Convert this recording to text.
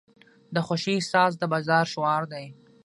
د خوښۍ احساس د بازار شعار دی.